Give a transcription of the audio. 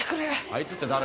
あいつって誰？